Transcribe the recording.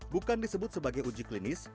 bukan disebut sebagai uji klinis